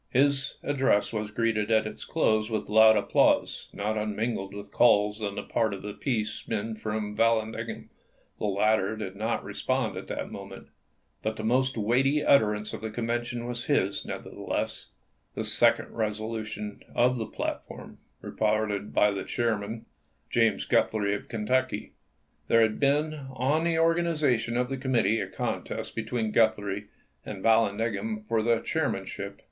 His address was greeted at its close with loud applause, not unmingled with calls on the part of the peace men for Vallandigham. The latter did not respond at that moment, but the most weighty utterance of the Convention was his, nevertheless — the second resolution of the platform, reported by the chair man, James Guthrie of Kentucky. There had been on the organization of the committee a contest be tween Guthrie and Vallandigham for the chairman ship.